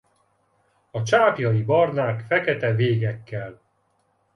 A csápjai barnák fekete végekkel.